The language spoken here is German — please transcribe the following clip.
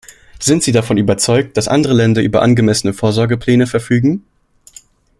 Sind Sie davon überzeugt, dass andere Länder über angemessene Vorsorgepläne verfügen?